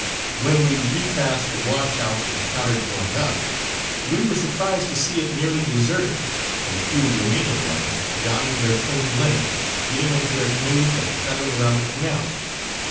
When we repassed the wash house encountered going up, we were surprised to see it nearly deserted and the few remaining ones donning their clean linen, getting into their canoes and paddling around the canal.